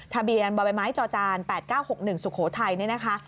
ทะเบียนบ่อใบไม้จอจาน๘๙๖๑สุโขทัยนี่นะคะ